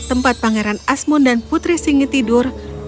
tempat pangeran asmun dan putri singi tidur